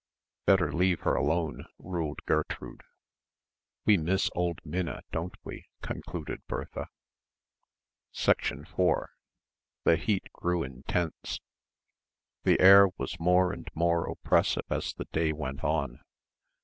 "Better leave her alone," ruled Gertrude. "We miss old Minna, don't we?" concluded Bertha. 4 The heat grew intense. The air was more and more oppressive as the day went on.